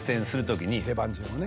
出番順をね。